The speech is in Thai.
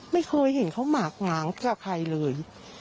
ไม่เคยเห็นเขาหมากง้างกับใครเลย